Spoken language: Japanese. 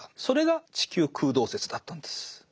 それが地球空洞説だったんです。